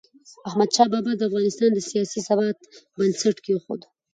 احمدشاه بابا د افغانستان د سیاسي ثبات بنسټ کېښود.